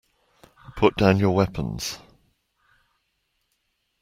Put down your weapons.